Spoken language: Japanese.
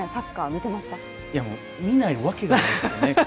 見ないわけがないですよね。